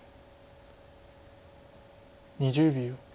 ２０秒。